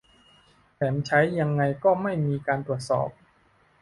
แถมใช้ยังไงก็ไม่มีการตรวจสอบ